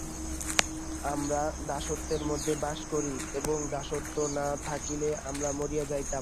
আমরা দাসত্বের মধ্যে বাস করি, এবং দাসত্ব না থাকিলে আমরা মরিয়া যাইতাম।